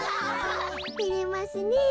てれますねえ。